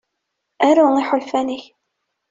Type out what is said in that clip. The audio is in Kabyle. Aru iḥulfan-ik.